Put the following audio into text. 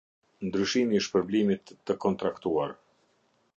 Ndryshimi i shpërblimit të kontraktuar.